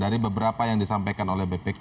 dari beberapa yang disampaikan oleh bpk